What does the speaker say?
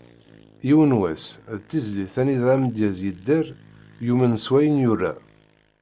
"Yiwen wass", d tizlit anida amedyaz yedder, yumen s wayen yura.